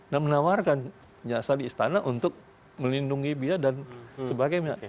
dan menawarkan jasa di istana untuk melindungi biar dan sebagainya